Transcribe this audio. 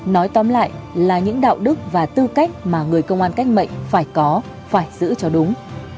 nói tóm lại là những đạo đức và tư cách mà người công an cách mệnh phải có phải giữ cho đúng